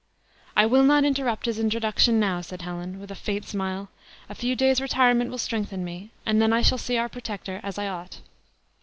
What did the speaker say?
"I will not interrupt his introduction now," said Helen, with a faint smile; "a few days' retirement will strengthen me, and then I shall see our protector as I ought."